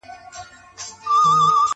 o ستا زړه سمدم لكه كوتره نور بـه نـه درځمه.